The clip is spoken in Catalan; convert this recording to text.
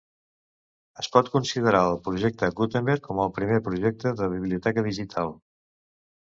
Es pot considerar el Projecte Gutenberg com el primer projecte de biblioteca digital.